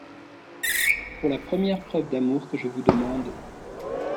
Pour la première preuve d’amour que je vous demande…